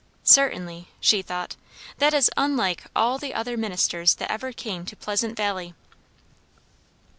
"Certainly," she thought, "that is unlike all the other ministers that ever came to Pleasant Valley."